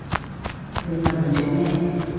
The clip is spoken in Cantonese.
你問嚟做咩？